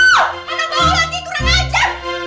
tidak ada bangunan